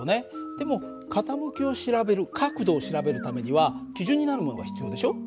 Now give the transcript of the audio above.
でも傾きを調べる角度を調べるためには基準になるものが必要でしょ。